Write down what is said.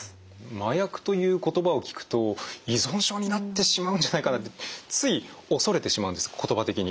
麻薬という言葉を聞くと依存症になってしまうんじゃないかなってつい恐れてしまうんです言葉的に。